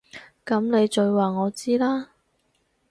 噉你再話我知啦